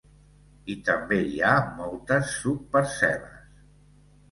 I també hi ha moltes subparcel·les.